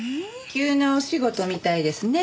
急なお仕事みたいですね。